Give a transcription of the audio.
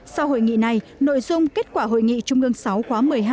sau hội nghị này nội dung kết quả hội nghị trung ương sáu khóa một mươi hai